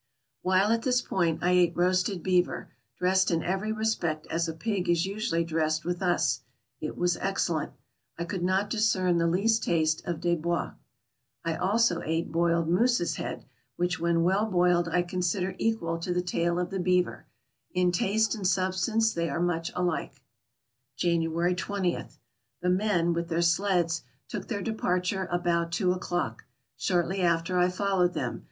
While at this post I ate roasted beaver, dressed in every respect as a pig is usually dressed with us ; it was excellent. I could not discern the least taste of Des Bois. I also ate 143 TRAVELERS AND EXPLORERS boiled moose's head, which when well boiled I consider equal to the tail of the beaver; in taste and substance they are much alike. January 20. — The men, with their sleds, took their departure about two o'clock. Shortly after I followed them.